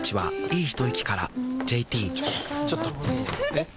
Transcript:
えっ⁉